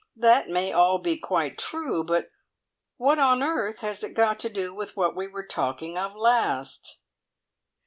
That may all be quite true, but what on earth has it got to do with what we were talking of last?"